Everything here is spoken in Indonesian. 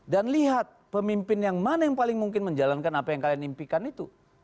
dan lihat pemimpin yang mana yang paling mungkin menjalankan apa yang kalian impikan itu